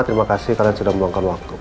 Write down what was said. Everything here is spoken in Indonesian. terima kasih kalian sudah meluangkan waktu